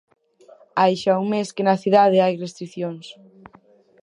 Hai xa un mes que na cidade hai restricións.